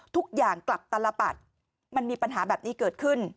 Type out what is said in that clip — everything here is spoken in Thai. ทุกอย่างกลับตลปัดมันมีปัญหาแบบนี้เกิดขึ้น